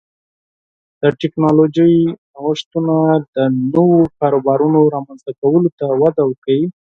د ټکنالوژۍ نوښتونه د نوو کاروبارونو رامنځته کولو ته وده ورکوي.